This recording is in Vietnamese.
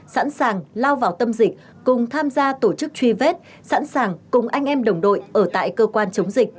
sẵn sàng lao vào tâm dịch cùng tham gia tổ chức truy vết sẵn sàng cùng anh em đồng đội ở tại cơ quan chống dịch